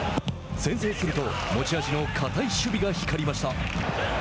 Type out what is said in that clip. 先制すると、持ち味の堅い守備が光りました。